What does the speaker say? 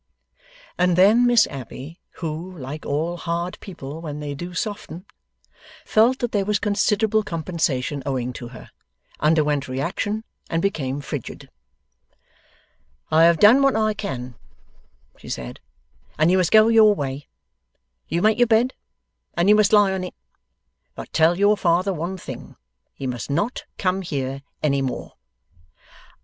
And then Miss Abbey, who, like all hard people when they do soften, felt that there was considerable compensation owing to her, underwent reaction and became frigid. 'I have done what I can,' she said, 'and you must go your way. You make your bed, and you must lie on it. But tell your father one thing: he must not come here any more.